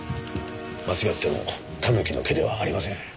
間違ってもタヌキの毛ではありません。